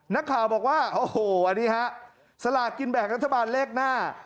นักข่าวบอกว่าโอ้โหอันนี้ฮะสลากกินแบ่งรัฐบาลเลขหน้า